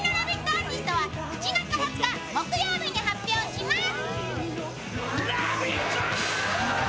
アーティストは７月２０日木曜日に発表します。